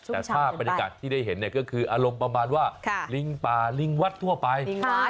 แต่ภาพบรรยากาศที่ได้เห็นเนี่ยก็คืออารมณ์ประมาณว่าลิงป่าลิงวัดทั่วไป